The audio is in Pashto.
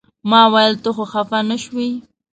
ما ویل ته خو خپه نه شوې.